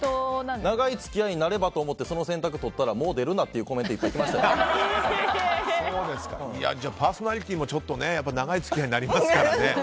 長い付き合いになればと思ってその選択をとったらもう出るなというコメントじゃあ、パーソナリティーも長い付き合いになりますからね。